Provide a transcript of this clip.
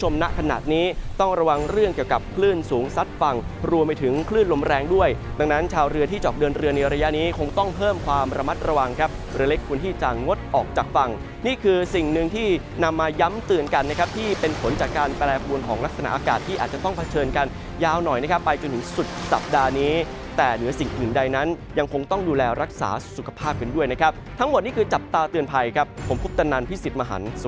มางดออกจากฝั่งนี่คือสิ่งหนึ่งที่นำมาย้ำเตือนกันนะครับที่เป็นผลจากการแปรภูมิของลักษณะอากาศที่อาจจะต้องเผชิญกันยาวหน่อยนะครับไปจนถึงสุดสัปดาห์นี้แต่เหนือสิ่งอื่นใดนั้นยังคงต้องดูแลรักษาสุขภาพกันด้วยนะครับทั้งหมดนี้คือจับตาเตือนภัยครับผมพุทธนันทร์พี่สิทธิ์ม